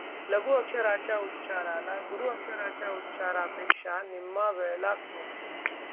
लघु अक्षराच्या उच्चाराला गुरू अक्षराच्या उच्चारापेक्षा निम्मा वेळ लागतो.